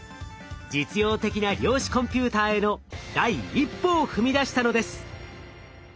実用的な量子コンピューターへの第一歩を踏み出したのです。